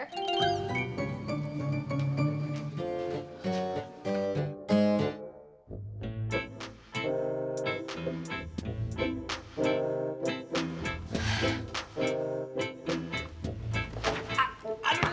gitu bener nya